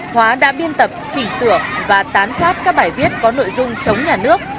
hóa đã biên tập chỉnh sửa và tán phát các bài viết có nội dung chống nhà nước